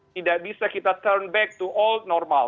tidak bisa kita turn back to old normal